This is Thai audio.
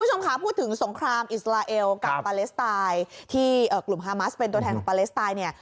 คุณผู้ชมคะพูดถึงสงครามอิสราเอลกับปาเลสไตน์ที่กลุ่มฮามัสเป็นตัวแทนของปาเลสไตน์เนี่ย